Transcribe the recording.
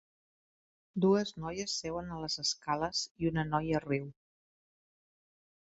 Dues noies seuen a les escales i una noia riu.